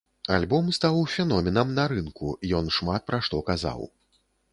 Альбом стаў феноменам на рынку, ён шмат пра што казаў.